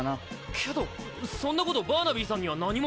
けどそんなことバーナビーさんには何も。